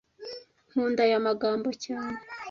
Nkunda aya magambo cyane